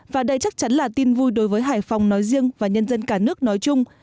và đây chắc chắn là tin vui đối với hải phòng nói riêng và nhân dân cả nước nói chung